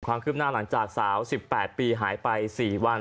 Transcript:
ความคืบหน้าหลังจากสาว๑๘ปีหายไป๔วัน